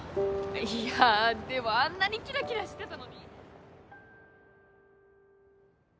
いやぁでもあんなにキラキラしてたのに？